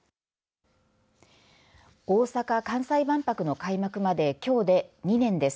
大阪・関西万博の開幕まできょうで２年です。